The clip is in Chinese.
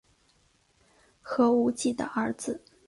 何无忌的儿子。